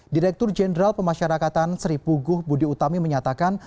direktur jenderal pemasyarakatan sri puguh budi utami menyatakan